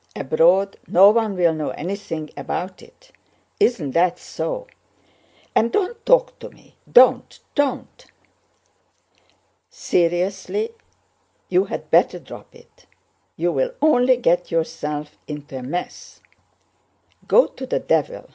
Abroad no one will know anything about it. Isn't that so? And don't talk to me, don't, don't." "Seriously, you'd better drop it! You'll only get yourself into a mess!" "Go to the devil!"